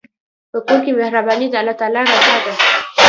په کور کې مهرباني د الله رضا ده.